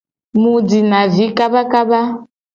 Mu jina vi kabakaba.